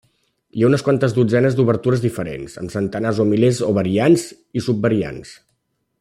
Hi ha unes quantes dotzenes d'obertures diferents, amb centenars o milers de variants i subvariants.